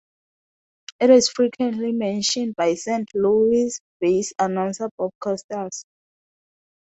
It is frequently mentioned by Saint Louis-based announcer Bob Costas.